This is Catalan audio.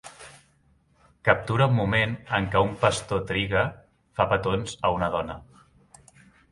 Captura un moment en què un pastor triga fa petons a una dona.